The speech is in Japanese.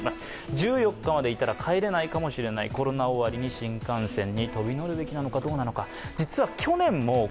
１４日までいたら帰れないかもしれない、コミケ終わりに新幹線に飛び乗るべきなのかどうなのかという声もありました。